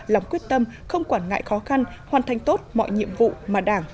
lòng quyết tâm không quản ngại khó khăn hoàn thành tốt mọi nhiệm vụ mà đảng